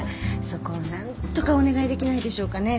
そこを何とかお願いできないでしょうかね？